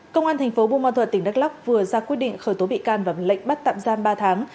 công an thành phố buôn ma thuật tỉnh đắk lóc vừa ra quyết định khởi tố bị can và lệnh bắt tạm giam ba tháng